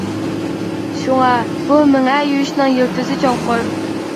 شۇڭا، بۇ مېڭە يۇيۇشنىڭ يىلتىزى چوڭقۇر.